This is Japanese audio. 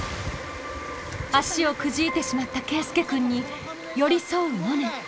足をくじいてしまった圭輔君に寄り添うモネ。